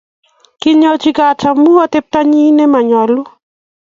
Kinyochikei Kat amune ateptonyi ne manyolu